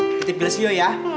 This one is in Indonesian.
ketip glasio ya